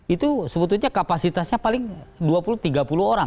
itu sebetulnya kapasitasnya paling dua puluh tiga puluh orang